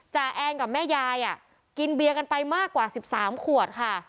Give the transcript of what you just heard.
จ่าแอนกับแม่ยายอ่ะกินเบียร์กันไปมากกว่าสิบสามขวดค่ะ